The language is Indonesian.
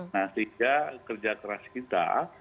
nah sehingga kerja keras kita